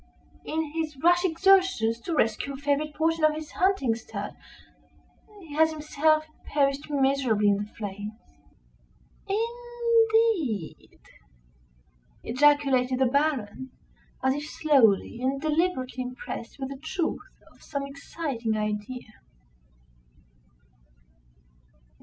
"In his rash exertions to rescue a favorite portion of his hunting stud, he has himself perished miserably in the flames." "I n d e e d !" ejaculated the Baron, as if slowly and deliberately impressed with the truth of some exciting idea.